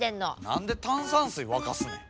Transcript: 何で炭酸水沸かすねん。